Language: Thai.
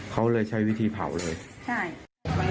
เขาเลยใช้วิธีเผาเลยใช่